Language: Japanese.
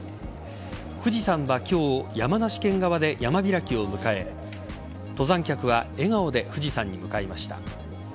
富士山は今日山梨県側で山開きを迎え登山客は笑顔で富士山に向かいました。